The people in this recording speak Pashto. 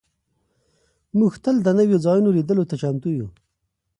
موږ تل د نویو ځایونو لیدلو ته چمتو یو.